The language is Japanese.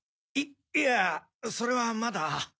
いいやそれはまだ。